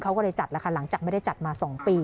เขาก็เลยจัดแล้วค่ะหลังจากไม่ได้จัดมา๒ปี